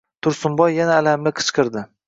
Tursunboy yana alamli qichqirdi.